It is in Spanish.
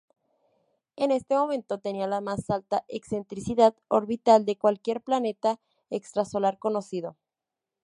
En ese momento tenía la más alta excentricidad orbital de cualquier planeta extrasolar conocido.